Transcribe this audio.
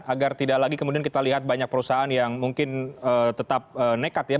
agar tidak lagi kemudian kita lihat banyak perusahaan yang mungkin tetap nekat ya